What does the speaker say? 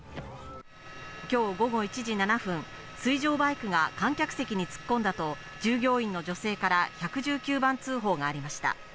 きょう午後１時７分、水上バイクが観客席に突っ込んだと、従業員の女性から１１９番通報がありました。